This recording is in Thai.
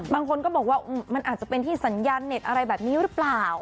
บางคนก็บอกว่ามันอาจจะเป็นที่สัญญาณเน็ตอะไรแบบนี้หรือเปล่า